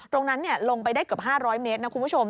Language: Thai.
โพรงนั้นลงไปได้เกือบ๕๐๐เมตรนะคุณผู้ชม